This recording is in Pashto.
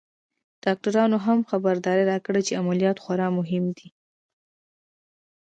ډاکترانو هم خبرداری راکړ چې عمليات خورا مهم دی.